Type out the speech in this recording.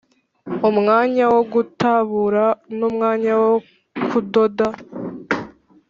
Umwanya wogutabura numwanya wo kudoda